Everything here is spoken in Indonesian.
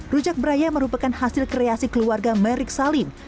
rujak beraya merupakan hasil kreasi keluarga merik salim